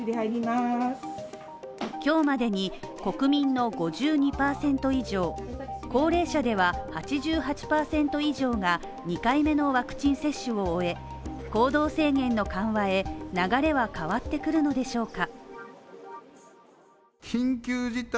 今日までに国民の５２％以上高齢者では８８％以上が２回目のワクチン接種を終え行動制限の緩和へ流れは変わってくるのでしょうか